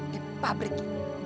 di pabrik ini